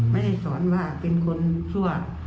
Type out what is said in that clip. ไม่ได้สอนว่าเป็นคนชั่ว